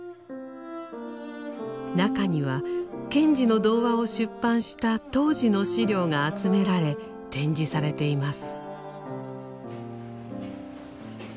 中には賢治の童話を出版した当時の資料が集められ展示されています。